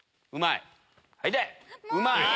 うまい！